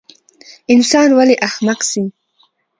انسان ولۍ احمق سي؟